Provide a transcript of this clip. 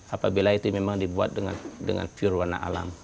apabila itu memang dibuat dengan pure warna alam